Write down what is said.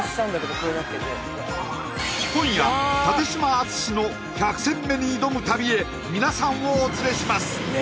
篤史の１００戦目に挑む旅へ皆さんをお連れします